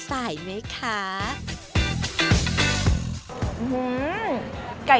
สวัสดีครับ